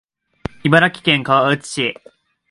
茨城県河内町